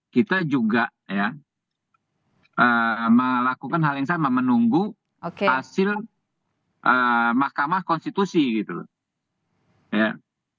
kita juga ya melakukan hal yang sama menunggu hasil mahkamah konstitusi gitu loh